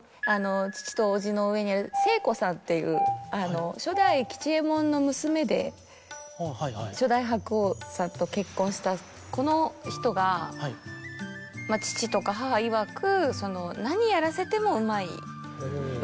父と叔父の上にある正子さんっていう初代吉右衛門の娘で初代白鸚さんと結婚したこの人が父とか母いわく。